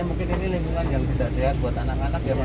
mungkin ini lingkungan yang tidak sehat buat anak anak ya mas